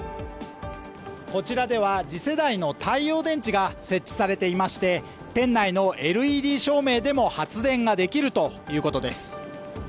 こちらでは次世代の太陽電池が設置されていまして店内のＬＥＤ照明でも発電ができるということです。